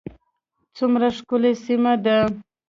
څومره ښکلې سیمه ده